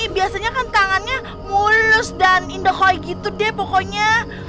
biasanya kan tangannya mulus dan indahoy gitu deh pokoknya